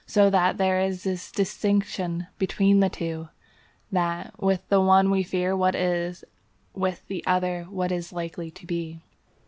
So that there is this distinction between the two, that with the one we fear what is, with the other what is likely to be.